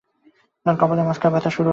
তাঁর কপালের মাঝখানে ব্যাথা শুরু হলো।